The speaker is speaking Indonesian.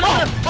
nih di situ